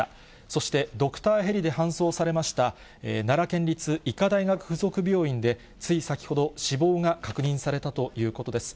そして、ドクターヘリで搬送されました奈良県立医科大学附属病院で、つい先ほど死亡が確認されたということです。